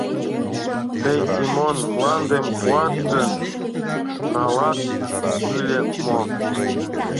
— Тый, Семон, мландым пуат гын, налат ыле мо?